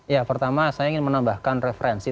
ya pertama saya ingin menambahkan referensi